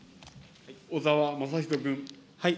小沢雅仁君。